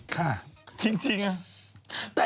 ค่ะ